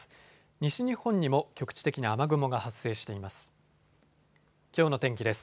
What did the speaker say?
西日本にも局地的に雨雲が発生しています。